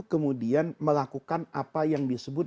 kemudian melakukan apa yang disebut